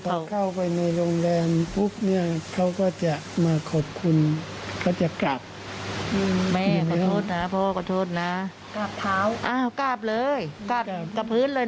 พี่ปอร์ขึ้นกุญแจผมก็เอาออกเลย